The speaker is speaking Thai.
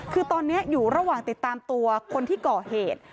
คือตอนนี้อยู่ระหว่างติดตามตัวคนที่ก่อเหตุ